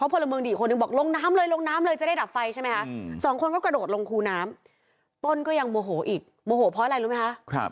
พรบิมพุนก็ยังโมโหอีกโมโหอเพราะอะไรรู้มั้ยคะ